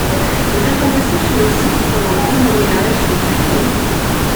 Les informations sur le site pendant le Haut Moyen Âge sont très sobres.